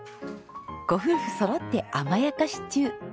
ご夫婦そろって甘やかし中。